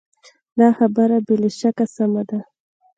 دا خبره بې له شکه سمه ده.